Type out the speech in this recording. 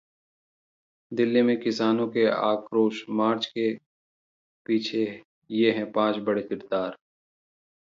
दिल्ली में किसानों के आक्रोश मार्च के पीछे ये हैं पांच बड़े किरदार